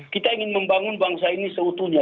kita ingin membangun bangsa ini seutuhnya